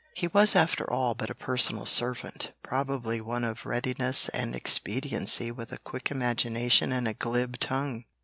He was after all but a personal servant; probably one of readiness and expediency with a quick imagination and a glib tongue.